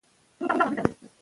د سپوږمۍ په څیر نرم اوسئ.